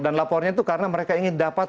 dan lapornya itu karena mereka ingin dapat